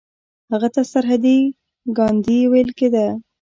هغه ته سرحدي ګاندي ویل کیده.